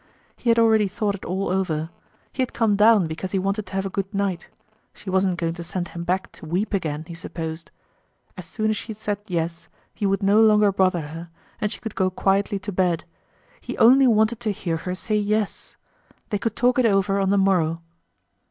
He had already thought it all over. He had come down because he wanted to have a good night. She wasn't going to send him back to weep again he supposed! As soon as she said "yes," he would no longer bother her, and she could go quietly to bed. He only wanted to hear her say "yes." They could talk it over on the morrow.